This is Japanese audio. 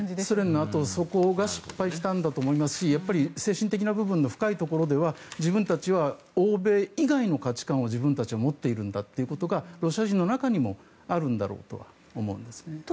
ソ連のあとはそこが失敗したんだと思いますし精神的な部分の深いところでは、自分たちは欧米以外の価値観を自分たちは持っているんだということがロシア人の中にもあるんだろうとは思うんですね。